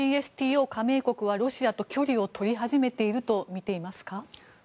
ＣＳＴＯ加盟国はロシアと距離を取り始めていると見ていますか。